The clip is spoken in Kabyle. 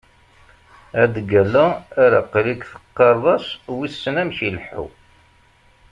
Ad d-ggalleɣ ar aql-ik teqqareḍ-as wissen amek ileḥḥu.